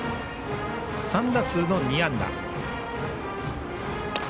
３打数の２安打。